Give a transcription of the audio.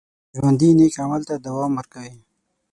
ژوندي نیک عمل ته دوام ورکوي